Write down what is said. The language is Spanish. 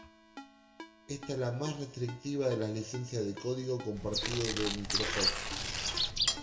Esta es la más restrictiva de las licencias de código compartido de Microsoft.